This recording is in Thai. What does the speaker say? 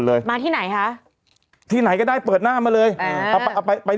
เรานะแล้วก่อนง่ายก่อน